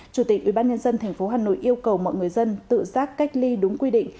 chủ tịch ubnd tp hà nội yêu cầu mọi người dân tự giác cách ly đúng quy định